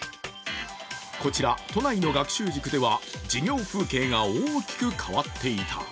こちら、都内の学習塾では授業風景が大きく変わっていた。